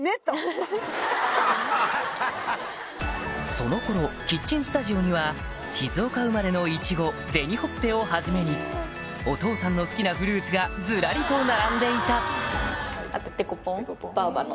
その頃キッチンスタジオには静岡生まれのイチゴ紅ほっぺをはじめにお父さんの好きなフルーツがずらりと並んでいたあっ